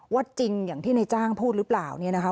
จริงอย่างที่ในจ้างพูดหรือเปล่าเนี่ยนะคะ